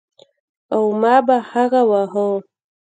او ما به هغه واهه.